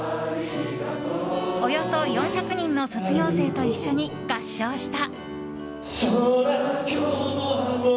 およそ４００人の卒業生と一緒に合唱した。